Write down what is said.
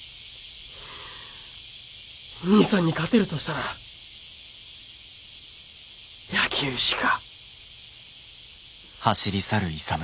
兄さんに勝てるとしたら野球しか。